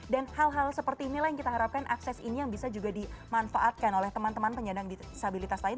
dan hal hal seperti inilah yang kita harapkan akses ini yang bisa juga dimanfaatkan oleh teman teman penyandang disabilitas lain